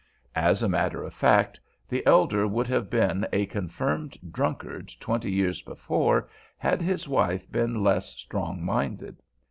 As a matter of fact, the elder would have been a confirmed drunkard twenty years before had his wife been less strong minded.